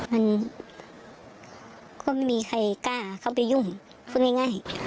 มันก็ไม่มีใครกล้าเข้าไปยุ่งพูดง่าย